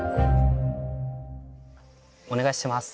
お願いします。